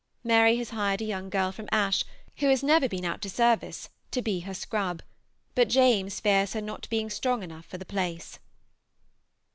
Mary has hired a young girl from Ashe who has never been out to service to be her scrub, but James fears her not being strong enough for the place.